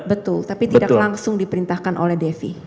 betul tapi tidak langsung diperintahkan oleh devi